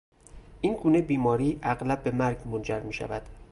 این گونه بیماری اغلب به مرگ منجر میشود.